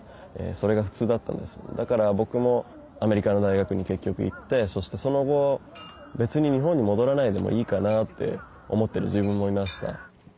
それが普通だったんですだから僕もアメリカの大学に結局行ってそしてその後別に日本に戻らないでもいいかなって思ってる自分もいました。